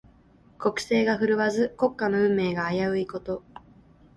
国勢が振るわず、国家の運命が危ういこと。